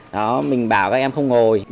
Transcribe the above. đó mình bảo các em không ngồi